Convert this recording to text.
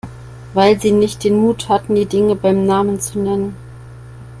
Weil Sie nicht den Mut hatten, die Dinge beim Namen zu nennen.